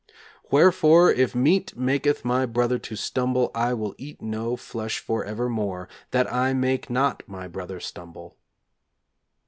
'Wherefore, if meat maketh my brother to stumble I will eat no flesh for evermore, that I make not my brother stumble.'